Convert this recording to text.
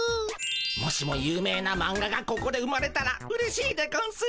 もしも有名なマンガがここで生まれたらうれしいでゴンス。